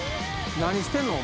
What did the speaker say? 何してんの？